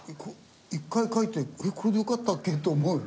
１回書いてこれでよかったっけ？って思うよね。